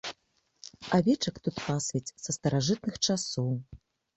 Авечак тут пасвяць са старажытных часоў.